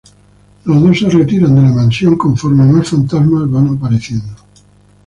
Los dos se retiran de la mansión conforme más fantasmas van apareciendo.